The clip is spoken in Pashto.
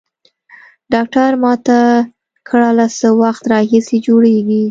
ډاکتر ما ته کړه له څه وخت راهيسي خوږېږي.